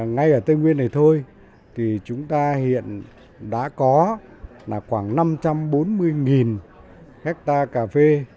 ngay ở tây nguyên này thôi chúng ta hiện đã có khoảng năm trăm bốn mươi hectare cà phê